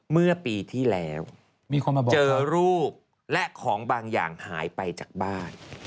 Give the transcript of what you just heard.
เมื่อปีที่แล้วมีคนมาบอกเจอรูปและของบางอย่างหายไปจากบ้าน